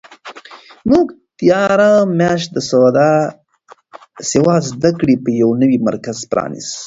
موږ تېره میاشت د سواد زده کړې یو نوی مرکز پرانیست.